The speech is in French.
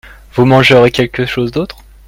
Vous mangerez quelque chose d'autre ?